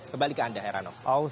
kembali ke anda erhanov